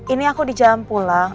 ini aku di jalan pulang